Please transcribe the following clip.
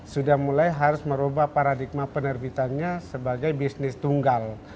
sudah mulai harus merubah paradigma penerbitannya sebagai bisnis tunggal